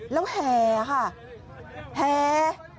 แล้วแห่ค่ะแห่